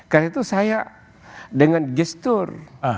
karena itu saya dengan gestur